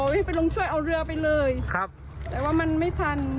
ไปลงช่วยเอาเรือไปเลยครับแต่ว่ามันไม่ทัน